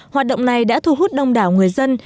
hoạt động này đã thu hút đông đảo người dân